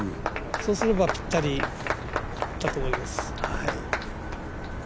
そうすればぴったりいくと思います。